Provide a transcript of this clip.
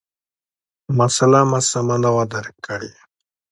مسأله ما سمه نه وه درک کړې،